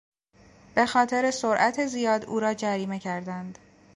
به خاطر سرعت زیاد او را جریمه کردند.